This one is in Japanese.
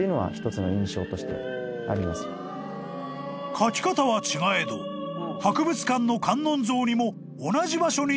［書き方は違えど博物館の観音像にも同じ場所に造像記が］